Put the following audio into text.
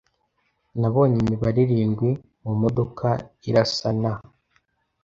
Nabonye imibare irindwi 'mumodoka irasa na